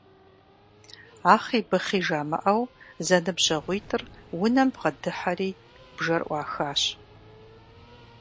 Ахъи-быхъи жамыӀэу зэныбжьэгъуитӀыр унэм бгъэдыхьэри бжэр Ӏуахащ.